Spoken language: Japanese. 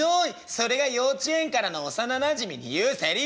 それが幼稚園からの幼なじみに言うセリフ？